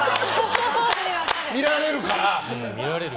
見られるから。